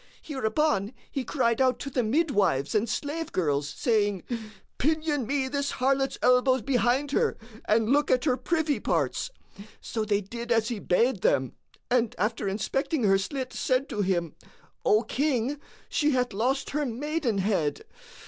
Hereupon he cried out to the midwives and slave girls, saying,:—Pinion me this harlot's elbows behind her and look at her privy parts. So they did as he bade them and after inspecting her slit said to him,:—O King, she hath lost her maidenhead.